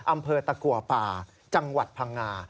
อำเภอตะกัวป่าจังหวัดพังงา